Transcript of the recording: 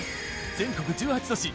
全国１８都市